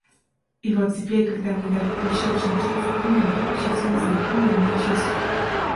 И вот теперь, когда мне дали пощёчину через окно, я ощутил знакомое мне чувство.